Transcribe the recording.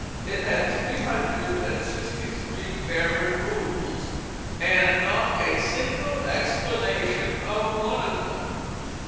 It had three hundred and sixty three barren rules, and not a single explanation of one of them.